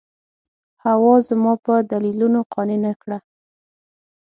حوا زما په دلیلونو قانع نه کړه.